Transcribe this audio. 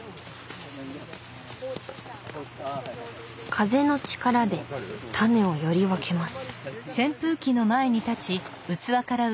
風の力でタネをより分けます。